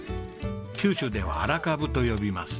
九州ではアラカブと呼びます。